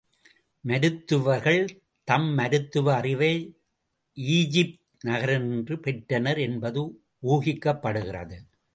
மருத்துவர்கள் தம் மருத்துவ அறிவை, ஈஜிப்த் நகரினின்று பெற்றனர் என்பது ஊகிக்கப்படுகிறது.